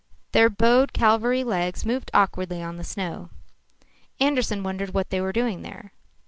Their bowed cavalry legs moved awkwardly on the snow. Andersen wondered what they were doing there.